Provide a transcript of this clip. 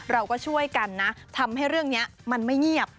เราก็ช่วยกันนะทำให้เรื่องนี้มันไม่เงียบ